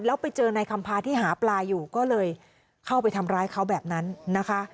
แล้วไปเจอนายคำพาที่หาปลาอยู่ก็เลยเข้าไปทำร้ายเขาแบบนั้นนะคะ